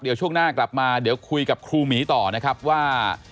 เดี๋ยวช่วงหน้ากลับมาเดี๋ยวคุยกับครูหมีต่อนะครับว่า